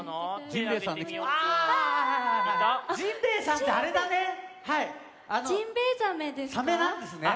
ジンベエザメですか？